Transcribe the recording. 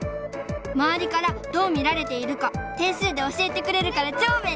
まわりからどう見られているか点数で教えてくれるからチョーべんり！